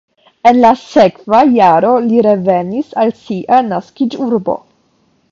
En la sekva jaro li revenis al sia naskiĝurbo.